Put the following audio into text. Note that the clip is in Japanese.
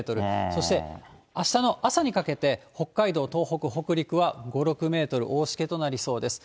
そしてあしたの朝にかけて、北海道、東北、北陸は５、６メートル、大しけとなりそうです。